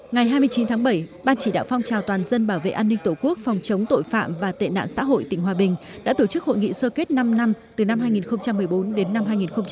ngày hai mươi chín tháng bảy ban chỉ đạo phong trào toàn dân bảo vệ an ninh tổ quốc phòng chống tội phạm và tệ nạn xã hội tỉnh hòa bình đã tổ chức hội nghị sơ kết năm năm từ năm hai nghìn một mươi bốn đến năm hai nghìn một mươi tám